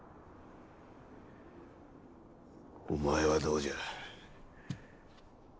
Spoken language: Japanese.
お前はどうじゃ？